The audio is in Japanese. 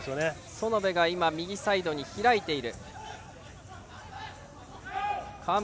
園部が今右サイドに開いている。